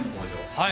はい。